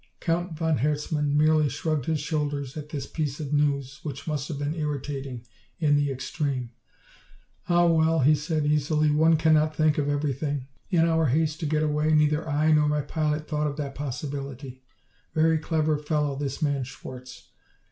Count von Herzmann merely shrugged his shoulders at this piece of news which must have been irritating in the extreme. "Ah, well," he said easily, "one cannot think of everything. In our haste to get away, neither I nor my pilot thought of that possibility. Very clever fellow, this man Schwarz.